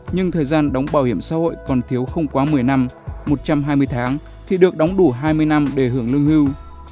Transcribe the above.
nhưng thời gian đóng bảo hiểm xã hội còn thiếu không quá một mươi năm thì được đóng đủ hai mươi năm để hưởng lương hưu